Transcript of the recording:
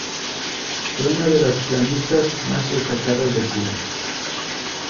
Fue una de las pianistas más destacadas de Cuba.